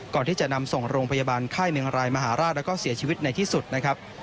ก่อนที่จะนำส่งโรงพยาบาลค่ายเมืองรายมหาราชแล้วก็เสียชีวิตในที่สุดนะครับ